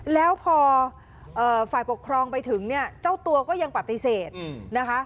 แล้วพอฝ่ายปกครองไปถึงเนี่ยเจ้าตัวก็ยังปฏิเสธนะคะ